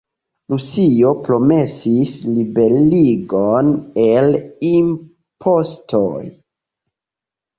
Rusio promesis liberigon el impostoj.